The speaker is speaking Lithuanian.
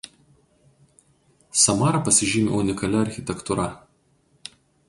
Samara pasižymi unikalia architektūra.